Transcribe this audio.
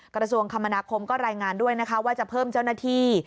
กระทรวงคมนาคมก็รายงานด้วยนะคะว่าจะเพิ่มเจ้าหน้าที่